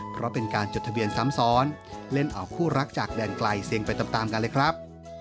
เพราะเป็นการจดทะเบียนซ้ำซ้อนเล่นออกคู่รักจากแดนไกลเสี่ยงไปตามกันเลยครับ